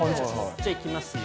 じゃあ、いきますよ。